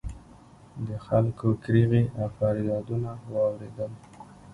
د خلکو کریغې او فریادونه واورېدل